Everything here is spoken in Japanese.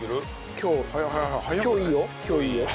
今日今日いいよ。